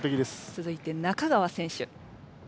つづいて中川選手。